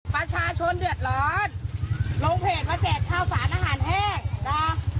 ประชาชนเดือดร้อนลงเพจมาแจกข้าวสารอาหารแห้งนะ